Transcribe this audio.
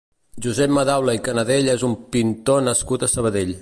Josep Madaula i Canadell és un pintor nascut a Sabadell.